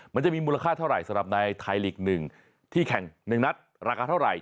มันจะมีมูลค่าเท่าไหร่สำหรับในไทยลีก๑ที่แข่ง๑นัดราคาเท่าไหร่